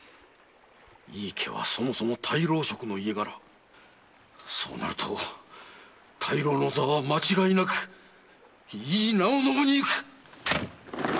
井伊家はそもそも大老職の家柄そうなると大老の座は間違いなく井伊直惟にいく！